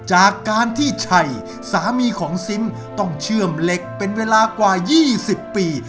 จากการที่ชัยสามีของซิมต้องเชื่อมเหล็กเป็นเวลากว่า๒๐ปี